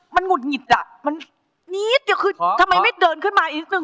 มันหงุดหงิดอ่ะมันนิดเดียวคือทำไมไม่เดินขึ้นมาอีกนึ